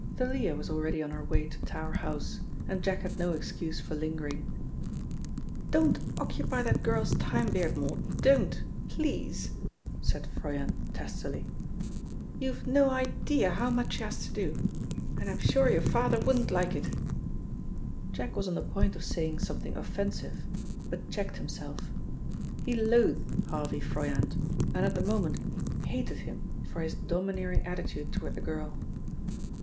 Thalia was already on her way to Tower House, and Jack had no excuse for lingering. "Don't occupy that girl's time, Beardmore, don't, please," said Froyant testily. "You've no idea how much she has to do and I'm sure your father wouldn't like it." Jack was on the point of saying something offensive, but checked himself. He loathed Harvey Froyant, and at the moment hated him for his domineering attitude toward the girl.